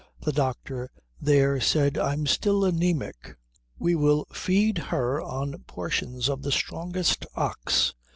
The doctor there said I'm still anæmic " "We will feed her on portions of the strongest ox."